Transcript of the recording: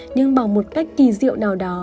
nhưng bằng một cách kỳ diệu nào đó